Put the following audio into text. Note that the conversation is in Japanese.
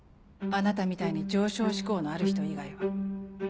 あなたみたいに上昇志向のある人以外は。